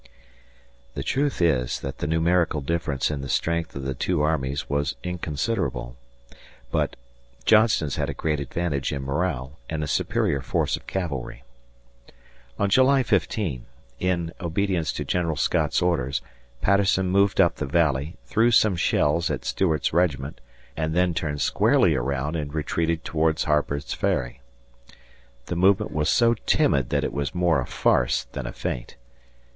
The truth is that the numerical difference in the strength of the two armies was inconsiderable, but Johnston's had a great advantage in morale and a superior force of cavalry. On July 15, in obedience to General Scott's orders, Patterson moved up the Valley, threw some shells at Stuart's regiment, and then turned squarely around and retreated towards Harper's Ferry. The movement was so timid that it was more a farce than a feint.